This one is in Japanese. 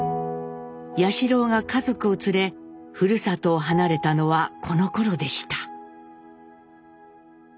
彌四郎が家族を連れふるさとを離れたのはこのころでした。